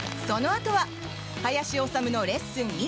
そのあとは「林修のレッスン！